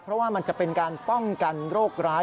เพราะว่ามันจะเป็นการป้องกันโรคร้าย